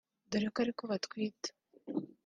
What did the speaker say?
dore ko ari ko abwita